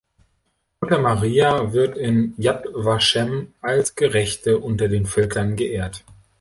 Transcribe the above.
Mutter Maria wird in Yad Vashem als Gerechte unter den Völkern geehrt.